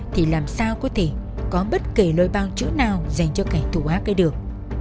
thì làm sao có thể có bất kỳ lời bao chữ nào dành cho kẻ thù ác ấy được